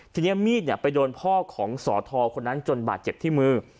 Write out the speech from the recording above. ทีนี้มีดไปโดนพ่อของสอทอคนนั้นจนบาดเจ็บที่มือ